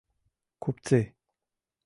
Купцы...»